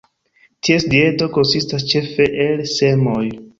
Ties dieto konsistas ĉefe el semoj.